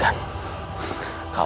kau akan berhasil